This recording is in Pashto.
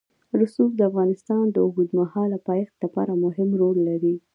رسوب د افغانستان د اوږدمهاله پایښت لپاره مهم رول لري.